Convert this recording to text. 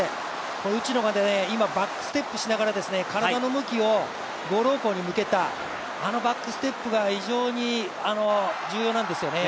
この内野が今、バックステップしながら体の向きをボール方向に向けた、あのバックステップが非常に重要なんですよね。